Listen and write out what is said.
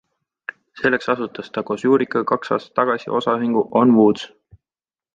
Selleks asutas ta koos Juurikaga kaks aastat tagasi osaühingu OnWoods.